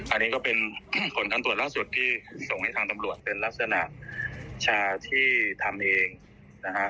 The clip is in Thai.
อันนี้ก็เป็นผลการตรวจล่าสุดที่ส่งให้ทางตำรวจเป็นลักษณะชาที่ทำเองนะฮะ